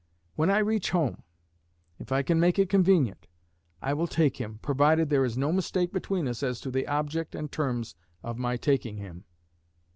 When I reach home, if I can make it convenient I will take him, provided there is no mistake between us as to the object and terms of my taking him.